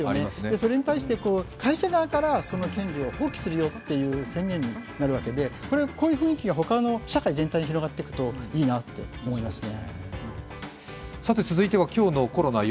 それに対して会社側からその権利を放棄するよという宣言になるわけでこういう雰囲気が他の社会全体に広がるといいなと思いますね。